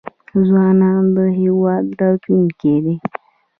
ځوانان د هیواد راتلونکی دی